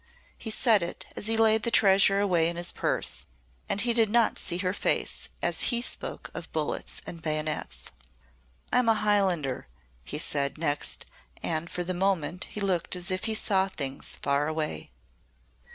He said it, as he laid the treasure away in his purse, and he did not see her face as he spoke of bullets and bayonets. "I am a Highlander," he said next and for the moment he looked as if he saw things far away.